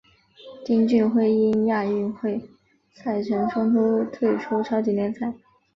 丁俊晖因亚运会赛程冲突退出超级联赛。